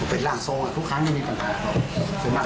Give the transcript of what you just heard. เป็นล่างทรงทุกครั้งไม่มีปัญหา